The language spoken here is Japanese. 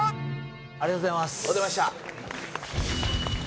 ありがとうございます。